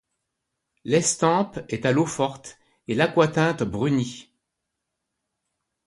L'estampe est à l'eau-forte et l'aquatinte brunie.